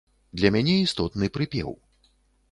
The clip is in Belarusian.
Для мяне істотны прыпеў.